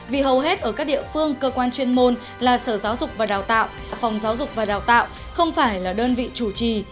vì hầu hết ở các địa phương cơ quan chuyên môn là sở giáo dục và đào tạo phòng giáo dục và đào tạo không phải là đơn vị chủ trì